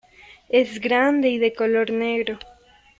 Es grande y de color negro.